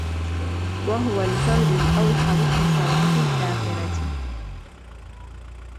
وَهُوَ الْفَرْدُ الْأَوْحَدُ فِي صَلَاحِ الْآخِرَةِ